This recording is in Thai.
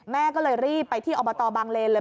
แม่ก็เลยรีบไปที่อบตบางเลนเลย